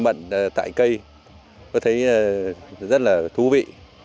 mận tại cây tôi thấy rất là thú vị